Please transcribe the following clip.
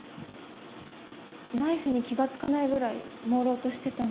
ナイフに気が付かないぐらいもうろうとしてたんだと思います。